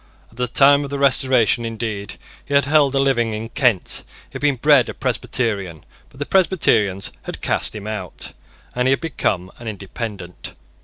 At the time of the Restoration, indeed, he had held a living in Kent. He had been bred a Presbyterian; but the Presbyterians had cast him out, and he had become an Independent.